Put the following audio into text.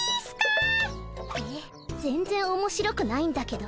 えっ全然面白くないんだけど。